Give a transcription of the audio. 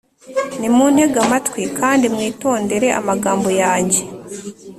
nimuntege amatwi kandi mwitondere amagambo yanjye